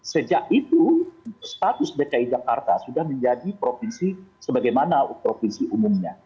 sejak itu status dki jakarta sudah menjadi provinsi sebagaimana provinsi umumnya